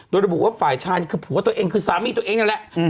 โดยระบุว่าฝ่ายชายนี่คือผัวตัวเองคือสามีตัวเองนั่นแหละ